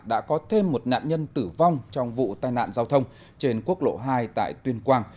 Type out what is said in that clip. đã có thêm một nạn nhân tử vong trong vụ tai nạn giao thông trên quốc lộ hai tại tuyên quang